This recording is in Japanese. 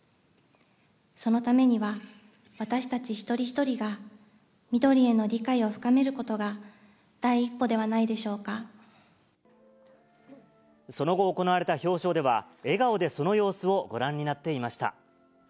そのためには、私たち一人一人がみどりへの理解を深めることが、第一歩ではないその後、行われた表彰では、笑顔でその様子をご覧になっていました。